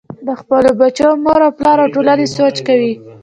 د خپلو بچو مور و پلار او ټولنې سوچ کوئ -